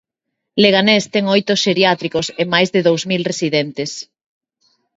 Leganés ten oito xeriátricos e máis de dous mil residentes.